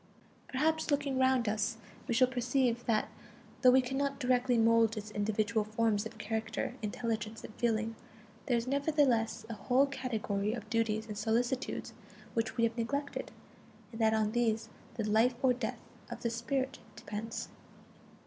Perhaps, looking around us, we shall perceive that though we cannot directly mold its individual forms of character, intelligence, and feeling, there is nevertheless a whole category of duties and solicitudes which we have neglected: and that on these the life or death of the spirit depends.